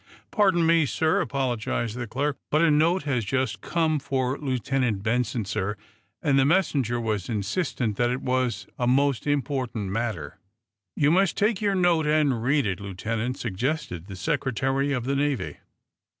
"Pardon me, sir," apologized the clerk. "But a note has just come for Lieutenant Benson, sir, and the messenger was insistent that it was a most important matter " "You may take your note and read it, Lieutenant," suggested the Secretary of the Navy.